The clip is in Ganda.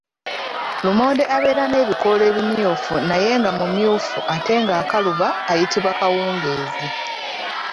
Lumonde abeera n’ebikoola ebimyufu naye nga mumyufu ate ng’akaluba ayitibwa kawungeezi.